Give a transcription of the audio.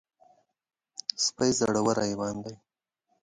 سپي زړور حیوان دی.